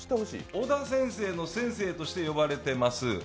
小田先生の先生として呼ばれてます。